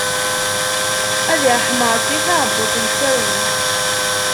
Ad irḥem Ṛebbi taɛebbuḍt yettarwen.